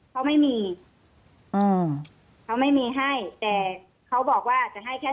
เขาไม่มีอ่าเขาไม่มีให้แต่เขาบอกว่าจะให้แค่